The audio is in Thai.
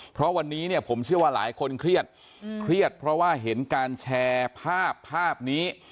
เพราะวันนี้เนี่ยผมเชื่อว่าหลายคนเครียดเครียดเพราะว่าเห็นการแชร์ภาพภาพนี้